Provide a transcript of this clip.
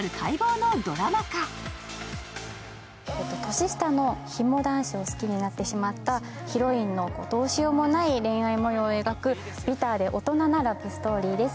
年下のヒモ男子を好きになってしまったヒロインのどうしようもない恋愛模様を描く、ビターで大人なラブストーリーです。